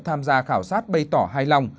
tham gia khảo sát bày tỏ hài lòng